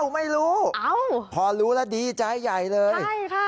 ไม่รู้พอรู้แล้วดีใจใหญ่เลย